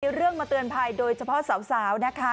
มีเรื่องมาเตือนภัยโดยเฉพาะสาวนะคะ